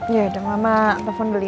ya udah mama telepon dulu ya